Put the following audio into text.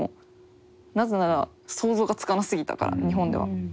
なぜなら想像がつかなすぎたから日本では。